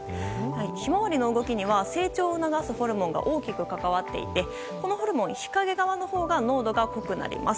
ヒマワリの動きには成長を促すホルモンが大きく関わっていてこのホルモン、日陰側のほうが濃度が濃くなります。